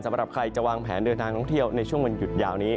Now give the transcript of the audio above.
สำหรับใครจะวางแผนเดินทางท่องเที่ยวในช่วงวันหยุดยาวนี้